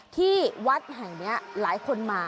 ที่วัดแห่งนี้หลายคนมา